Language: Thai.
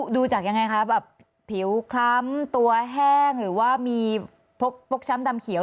ดูจากยังไงคะแบบผิวคล้ำตัวแห้งหรือว่ามีฟกช้ำดำเขียว